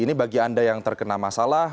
ini bagi anda yang terkena masalah